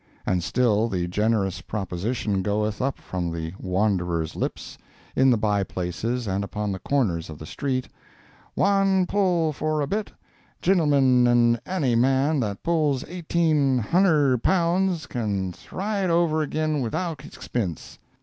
And still the generous proposition goeth up from the wanderer's lips, in the by places and upon the corners of the street: "Wan pull for a bit, jintlemen, an' anny man that pulls eighteen hundher' pounds can thry it over agin widout expinse."